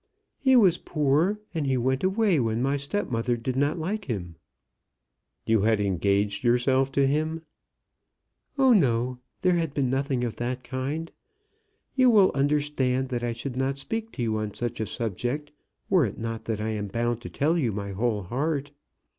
"He was poor, and he went away when my step mother did not like him." "You had engaged yourself to him?" "Oh, no! There had been nothing of that kind. You will understand that I should not speak to you on such a subject, were it not that I am bound to tell you my whole heart.